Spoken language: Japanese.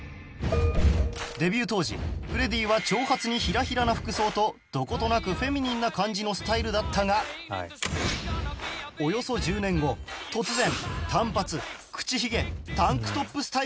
デビュー当時フレディは長髪にヒラヒラな服装とどことなくフェミニンな感じのスタイルだったがおよそ１０年後突然短髪口ヒゲタンクトップスタイルに